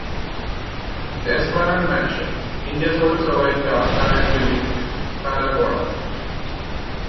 The Esplanade Mansion, India's oldest surviving cast iron building, is in Kala Ghoda.